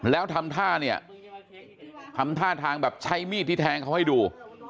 แล้วทำท่าเนี่ยทำท่าทางแบบใช้มีดที่แทงเขาให้ดู